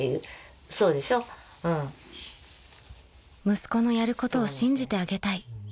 ［息子のやることを信じてあげたい］